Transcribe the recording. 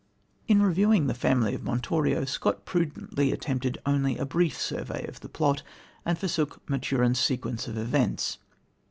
In reviewing The Family of Montorio, Scott prudently attempted only a brief survey of the plot, and forsook Maturin's sequence of events.